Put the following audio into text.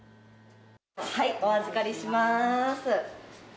お預かりします。